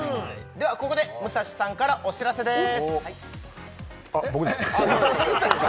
魚のこと考えて武蔵さんからお知らせです